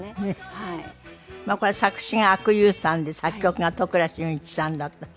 まあこれは作詞が阿久悠さんで作曲が都倉俊一さんだった。